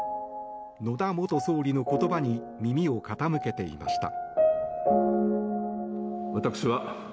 野田元総理の言葉に耳を傾けていました。